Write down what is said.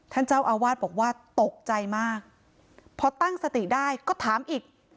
ท่านเจ้าอาวาสบอกว่าตกใจมากพอตั้งสติได้ก็ถามอีก